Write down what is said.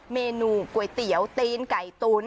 เมนูก๋วยเตี๋ยวตีนไก่ตุ๋น